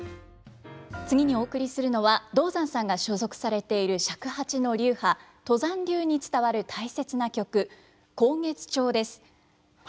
次にお送りするのは道山さんが所属されている尺八の流派都山流に伝わる大切な曲「慷月調」です。